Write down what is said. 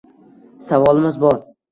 Savolimiz bor…